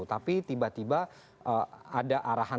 tapi tiba tiba ada arahan